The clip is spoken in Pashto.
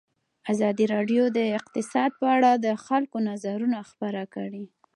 ازادي راډیو د اقتصاد په اړه د خلکو نظرونه خپاره کړي.